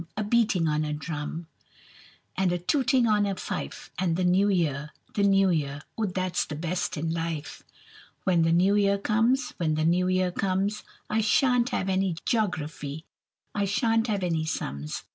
A beating on a drum, And a tooting on a fife: And the new year, the new year Oh, that's the best in life. When the new year comes, When the new year comes, I sha'n't have any joggraphy, I sha'n't have any sums.